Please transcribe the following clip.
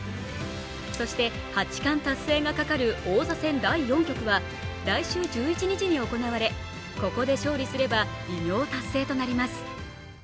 そして、八冠達成がかかる王座戦第４局は来週１１日に行われ、ここで勝利すれば偉業達成となります。